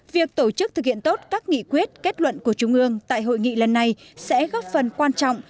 việc tổ chức thực hiện tốt các nghị quyết kết luận của trung ương tại hội nghị lần này sẽ góp phần quan trọng